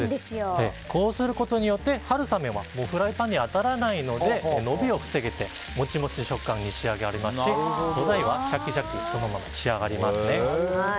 こうすることによって春雨はフライパンに当たらないのでのびを防げてモチモチ食感に仕上げられますし素材がシャキシャキに仕上がりますね。